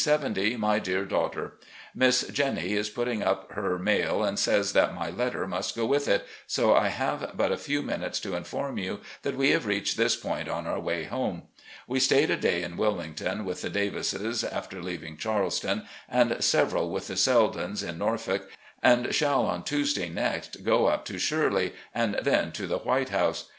"My Dear Daughter: Miss Jennie is putting up her mail and says that my letter must go with it, so I have but a few minutes to inform you that we have reached this point on our way home. We stayed a day in Wilmington with the Davises after leaving Charleston, and several with the Seldens in Norfolk, and shall on Tuesday next go up to ' Shirley, ' and then to the ' White House.